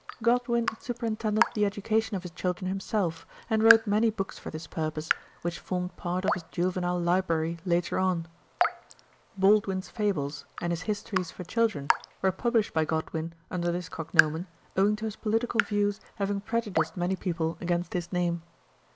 Godwin superintended the education of his children himself, and wrote many books for this purpose, which formed part of his juvenile library later on. "Baldwin's" fables and his histories for children were published by Godwin under this cognomen, owing to his political views having prejudiced many people against his name.